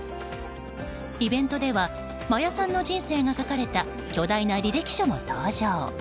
イベントでは真矢さんの人生が書かれた巨大な履歴書も登場。